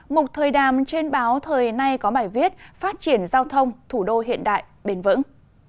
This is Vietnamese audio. mục thời đàm trên báo thời nay có bài viết phát triển giao thông thủ đô hiện đại bền vững